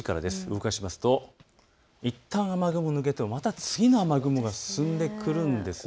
動かしますと、いったん雨雲抜けてまた次の雨雲が進んできます。